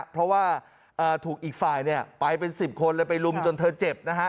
เพราะว่าถูกอีกฝ่ายไปเป็น๑๐คนเลยไปลุมจนเธอเจ็บนะฮะ